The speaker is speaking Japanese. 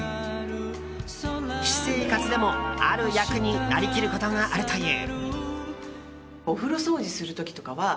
私生活でも、ある役になりきることがあるという。